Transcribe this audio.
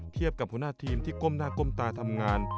กับหัวหน้าทีมที่ก้มหน้าก้มตาทำงาน